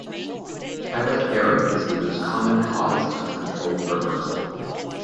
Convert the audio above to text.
Pilot error is the most common cause of control reversal.